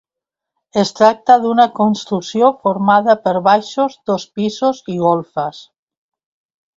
Es tracta d'una construcció formada per baixos, dos pisos i golfes.